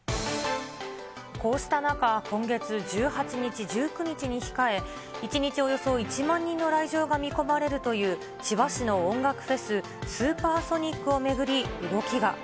こうした中、今月１８日、１９日に控え、１日およそ１万人の来場が見込まれるという千葉市の音楽フェス、スーパーソニックを巡り、動きが。